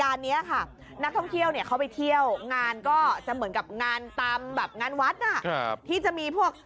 แล้วเนี่ยหนูก็ต้องมาเที่ยงของพี่